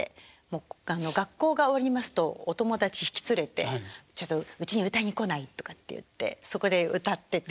学校が終わりますとお友達引き連れて「ちょっとうちに歌いに来ない？」とかって言ってそこで歌ってて。